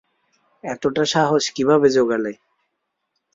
এতটা সাহস কীভাবে জোগালে?